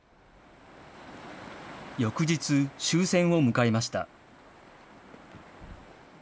翌日、終戦を迎えました。